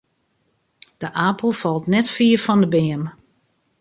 De apel falt net fier fan 'e beam.